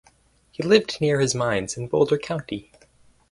He lived near his mines in Boulder County.